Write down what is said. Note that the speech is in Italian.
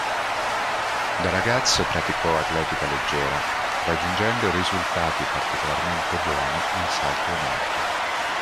Da ragazzo praticò atletica leggera, raggiungendo risultati particolarmente buoni nel salto in alto.